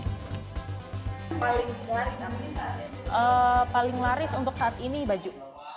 yang paling laris untuk saat ini baju